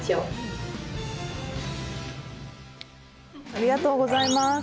ありがとうございます。